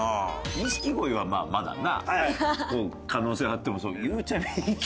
錦鯉はまあまだ可能性はあってもゆうちゃみと一緒に。